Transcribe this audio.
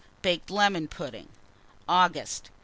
Baked lemon pudding. AUGUST.